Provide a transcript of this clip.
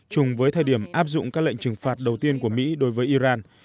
chùng với thời điểm áp dụng các lệnh trừng phạt đầu tiên của mỹ đối với iran